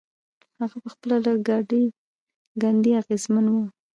هغه پخپله له ګاندي اغېزمن و.